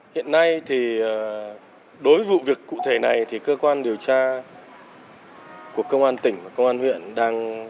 hiện nay thì đối với vụ việc cụ thể này thì cơ quan điều tra của công an tỉnh công an huyện đang